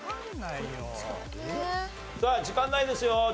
時間ないですよ。